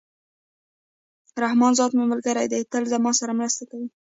رحمان ذات مي ملګری دئ! تل زما سره مرسته کوي.